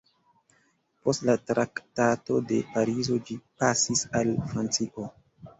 Post la Traktato de Parizo ĝi pasis al Francio.